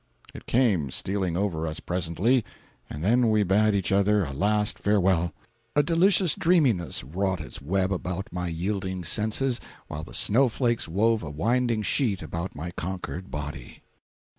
It came stealing over us presently, and then we bade each other a last farewell. A delicious dreaminess wrought its web about my yielding senses, while the snow flakes wove a winding sheet about my conquered body.